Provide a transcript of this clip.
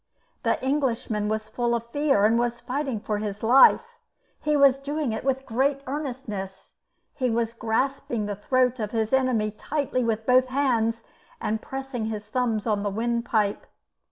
The Englishman was full of fear, and was fighting for his life. He was doing it with great earnestness. He was grasping the throat of his enemy tightly with both hands, and pressing his thumbs on the wind pipe.